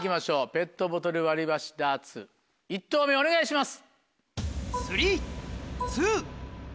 ペットボトル割り箸ダーツ２投目お願いします。